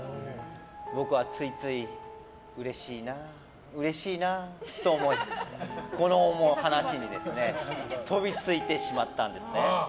僕は、ついついうれしいなうれしいなと思いこの話に飛びついてしまったんです。